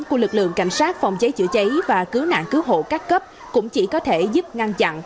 của lực lượng cảnh sát phòng cháy chữa cháy và cứu nạn cứu hộ các cấp cũng chỉ có thể giúp ngăn chặn